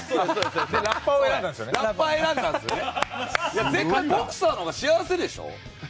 いや絶対ボクサーの方が幸せでしょ？